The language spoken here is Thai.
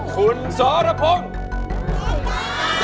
คุณซอรพงธ์